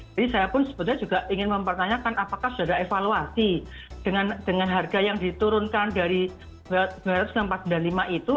jadi saya pun sebetulnya juga ingin mempertanyakan apakah sudah ada evaluasi dengan harga yang diturunkan dari sembilan ratus tiga puluh lima empat ratus sembilan puluh lima itu